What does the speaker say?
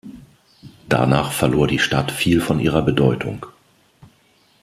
Danach verlor die Stadt viel von ihrer Bedeutung.